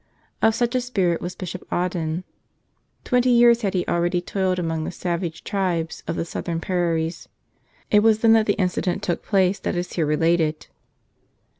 Of such a spirit was Bishop Audin. Twenty years had he already toiled among the savage tribes of the southern prairies. It was then that the incident took place that is here related.